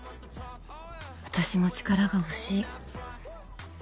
私も力が欲しい。